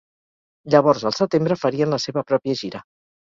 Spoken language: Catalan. Llavors al setembre farien la seva pròpia gira.